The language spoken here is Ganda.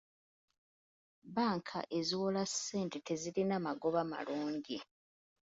Banka eziwola ssente tezirina magoba malungi.